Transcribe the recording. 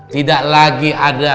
tidak lagi ada